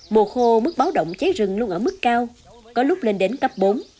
mùa khô mức báo động cháy rừng luôn ở mức cao có lúc lên đến cấp bốn